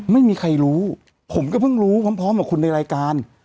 ไม่มีใครรู้ผมก็เพิ่งรู้พร้อมกับคุณในรายการ